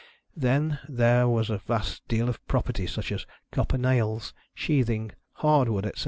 Then, there was a vast deal of property, such as copper nails, sheathing, hardwood, &c.